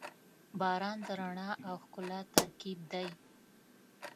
• باران د رڼا او ښکلا ترکیب دی.